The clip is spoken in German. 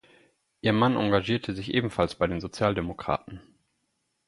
Ihr Mann engagierte sich ebenfalls bei den Sozialdemokraten.